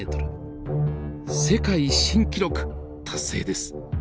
世界新記録達成です。